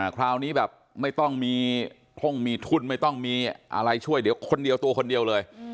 คราวนี้แบบไม่ต้องมีท่งมีทุ่นไม่ต้องมีอะไรช่วยเดี๋ยวคนเดียวตัวคนเดียวเลย